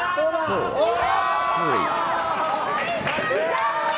残念！